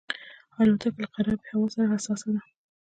الوتکه له خرابې هوا سره حساسه ده.